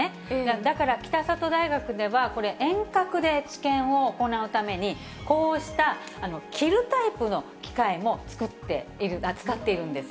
だから、北里大学では、遠隔で治験を行うために、こうした着るタイプの機械も使っているんです。